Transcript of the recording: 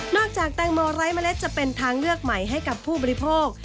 จากแตงโมไร้เมล็ดจะเป็นทางเลือกใหม่ให้กับผู้บริโภค